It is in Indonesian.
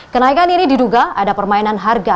kenaikan ini diduga ada permainan harga